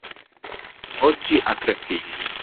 Oggi ha tre figli.